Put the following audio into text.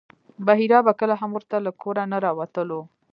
بحیرا به کله هم ورته له کوره نه راوتلو.